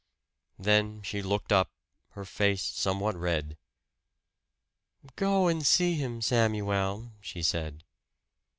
Then she looked up, her face somewhat red. "Go and see him, Samuel!" she said.